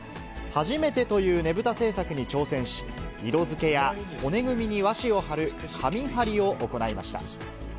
初めてというねぶた制作に挑戦し、色付けや、骨組みに和紙を貼る紙貼りを行いました。